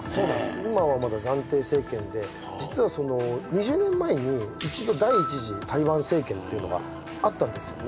今はまだ暫定政権で実は２０年前に１度第１次タリバン政権っていうのがあったんですよね